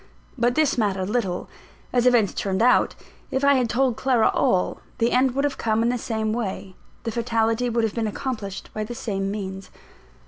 But this mattered little. As events turned out, if I had told Clara all, the end would have come in the same way, the fatality would have been accomplished by the same means.